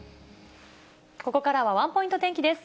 ここからはワンポイント天気です。